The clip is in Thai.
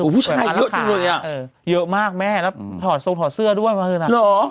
ผู้ชายเยอะจริงอ่ะเยอะมากแม่แล้วส่งถอดเสื้อด้วยมากขึ้นอ่ะ